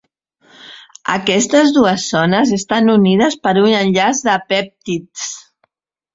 Aquestes dues zones estan unides per un enllaç de pèptids.